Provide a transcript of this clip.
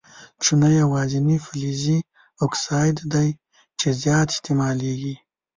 چونه یوازیني فلزي اکساید دی چې زیات استعمالیږي.